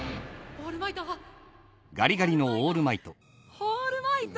オールマイト！